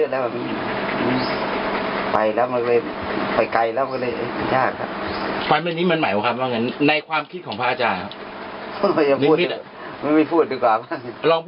ที่แรกเขาให้มันตายอย่างงี้ทำไงก็ต้องเอาไปโน้น